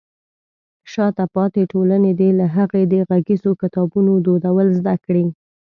شاته پاتې ټولنې دې له هغې د غږیزو کتابونو دودول زده کړي.